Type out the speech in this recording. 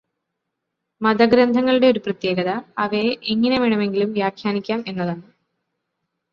മതഗ്രന്ഥങ്ങളുടെ ഒരു പ്രത്യേകത അവയെ എങ്ങിനെ വേണമെങ്കിലും വ്യാഖ്യാനിക്കാം എന്നതാണ്.